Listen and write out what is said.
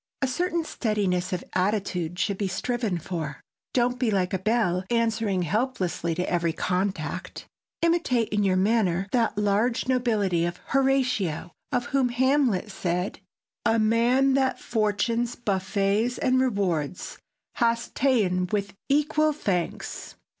A certain steadiness of attitude should be striven for. Don't be like a bell, answering helplessly to every contact. Imitate in your manner that large nobility of Horatio of whom Hamlet said, "A man that fortune's buffets and rewards Hast ta'en with equal thanks.